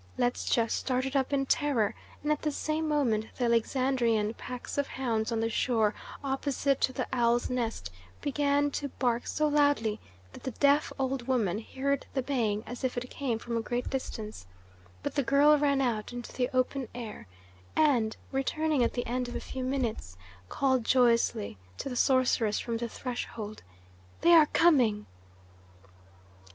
Ledscha started up in terror, and at the same moment the Alexandrian's packs of hounds on the shore opposite to the Owl's Nest began to bark so loudly that the deaf old woman heard the baying as if it came from a great distance; but the girl ran out into the open air and, returning at the end of a few minutes, called joyously to the sorceress from the threshold, "They are coming!"